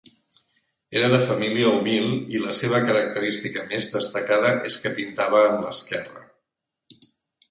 Era de família humil i la seva característica més destacada és que pintava amb l'esquerra.